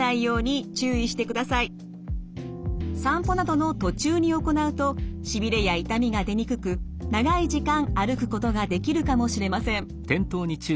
散歩などの途中に行うとしびれや痛みが出にくく長い時間歩くことができるかもしれません。